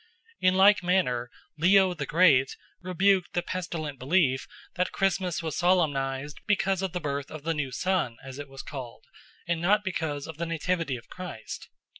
In like manner Leo the Great rebuked the pestilent belief that Christmas was solemnised because of the birth of the new sun, as it was called, and not because of the nativity of Christ.